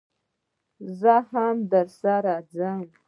زه هم درسره ځم